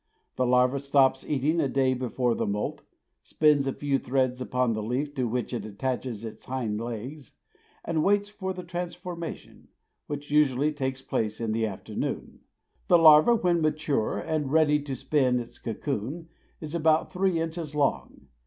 The larva stops eating a day before the moult, spins a few threads upon the leaf to which it attaches its hind legs, and waits for the transformation, which usually takes place in the afternoon. The larva, when mature and ready to spin its cocoon, is about three inches long.